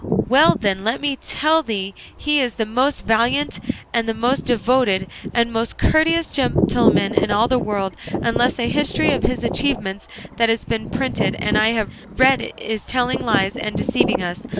Well then let me tell thee he is the most valiant and the most devoted and the most courteous gentleman in all the world, unless a history of his achievements that has been printed and I have read is telling lies and deceiving us.